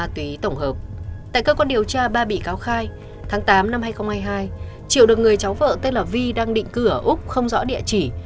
tại cơ quan điều tra ba bị cáo khai tháng tám năm hai nghìn hai mươi hai triệu được người cháu vợ tên là vi đang định cư ở úc không rõ địa chỉ